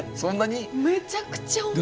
めちゃくちゃ重い。